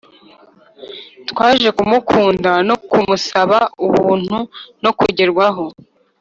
twaje kumukunda no kumusaba ubuntu no kugerwaho.